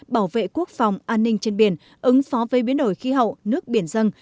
bảo vệ quốc phòng an ninh trên biển ứng phó với biến đổi khí hậu nước biển dân